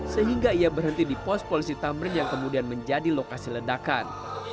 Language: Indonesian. sehingga ia berhenti di pos polisi tamrin yang kemudian menjadi lokasi ledakan